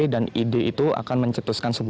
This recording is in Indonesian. dan ide itu akan menjadi sebuah keuntungan